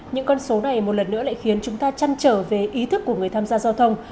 những con số này một lần nữa lại khiến chúng ta chăn trở về ý thức của người tham gia giao thông